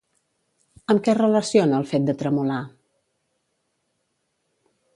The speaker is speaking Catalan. Amb què relaciona el fet de tremolar?